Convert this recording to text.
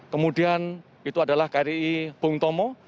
kemudian itu adalah kri bung tomo